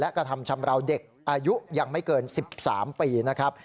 กระทำชำราวเด็กอายุยังไม่เกิน๑๓ปีนะครับ